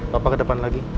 papa kedepan lagi